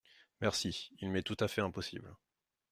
Merci… il m’est tout à fait impossible.